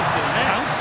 三振！